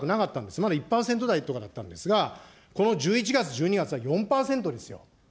まだ１％台とかだったんですが、この１１月、１２月は４％ですよ。